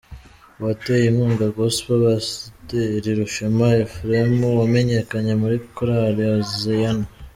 Uwateye inkunga Gospel: Pasiteri Rushema Ephraim wamenyekanye muri Korali Hoziana.